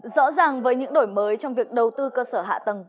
rõ ràng với những đổi mới trong việc đầu tư cơ sở hạ tầng